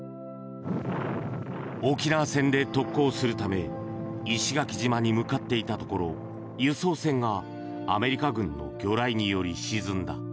沖縄戦で特攻するため石垣島に向かっていたところ輸送船がアメリカ軍の魚雷により沈んだ。